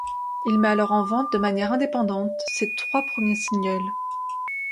Il met alors en vente de manière indépendante ses trois premiers singles.